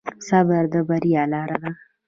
صبر د بریا لاره ده.